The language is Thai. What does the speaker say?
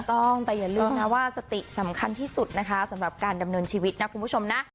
ถูกต้องแต่อย่าลืมนะว่าสติสำคัญที่สุดนะคะสำหรับการดำเนินชีวิตนะคุณผู้ชมนะ